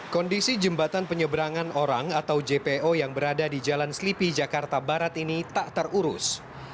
kondisi jembatan penyeberangan orang atau jpo yang berada di jalan selipi jakarta barat ini tak terurus